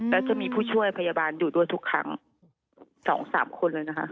แล้วจะมีผู้ช่วยพยาบาลอยู่ด้วยทุกครั้งสองสามคนเลยนะคะ